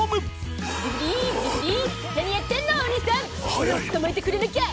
オラを捕まえてくれなきゃ。